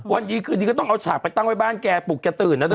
วันดีคืนดีก็ต้องเอาฉากไปตั้งไว้บ้านแกปลุกแกตื่นนะเ